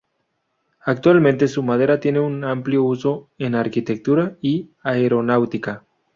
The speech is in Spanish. Actualmente su madera tiene un amplio uso en arquitectura y aeronáutica.